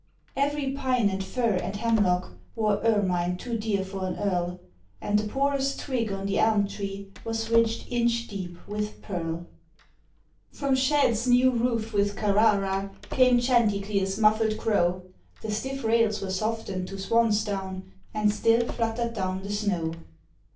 Every pine and fir and hemlock Wore ermine too dear for an earl, And the poorest twig on the elm tree Was ridged inch deep with pearl. From sheds new roofed with Carrara Came Chanticleer's muffled crow. The stiff rails were softened to swan's down, And still fluttered down the snow.